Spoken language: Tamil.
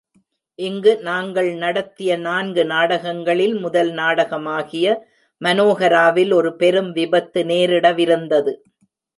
இங்கு நாங்கள் நடத்திய நான்கு நாடகங்களில் முதல் நாடகமாகிய மனோஹராவில் ஒரு பெரும் விபத்து நேரிடவிருந்தது.